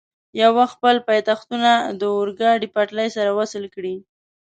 یو وخت خپل پایتختونه د اورګاډي پټلۍ سره وصل کړي.